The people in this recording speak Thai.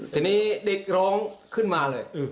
ทีนี้เด็กร้องขึ้นมาเลย